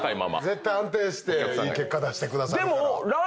絶対安定していい結果出してくださるから。